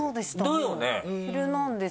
だよね？